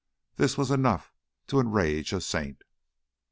This was enough to enrage a saint.